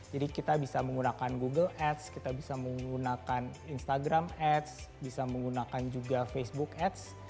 jadi kita bisa menggunakan google ads kita bisa menggunakan instagram ads bisa menggunakan juga facebook ads